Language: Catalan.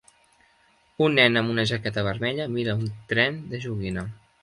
Un nen amb una jaqueta vermella mira un tren de joguina.